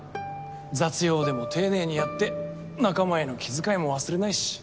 ・雑用でも丁寧にやって仲間への気遣いも忘れないし。